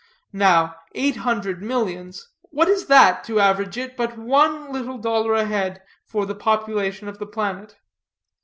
Now eight hundred millions what is that, to average it, but one little dollar a head for the population of the planet?